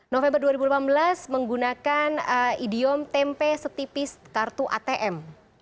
november dua ribu delapan belas menggunakan idiom tempe setipis kartu atm